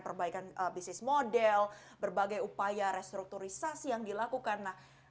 perbaikan bisnis model berbagai upaya restrukturisasi yang dilakukan